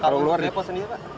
kalau luar depo sendiri pak